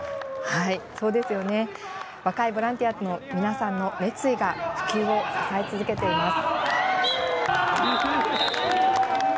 はい、若いボランティアの皆さんの熱意が普及を支え続けています。